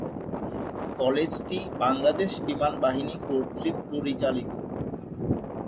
কলেজটি বাংলাদেশ বিমান বাহিনী কর্তৃক পরিচালিত।